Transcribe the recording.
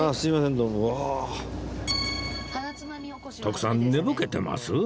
徳さん寝ぼけてます？